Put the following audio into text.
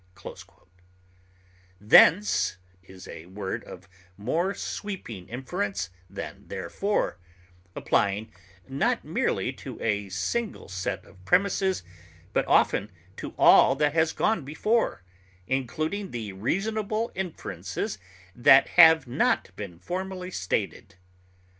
Thence is a word of more sweeping inference than therefore, applying not merely to a single set of premises, but often to all that has gone before, including the reasonable inferences that have not been formally stated.